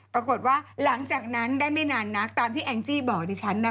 ปรากฏว่าหลังจากนั้นได้ไม่นานนักตามที่แองจี้บอกดิฉันนะคะ